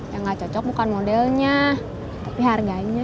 yang gak cocok bukan modelnya tapi harganya